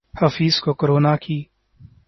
حفیظ کو کرونا کی